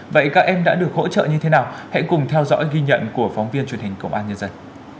vậy các em đã được hỗ trợ như thế nào hãy cùng theo dõi ghi nhận của phóng viên truyền hình công an nhân dân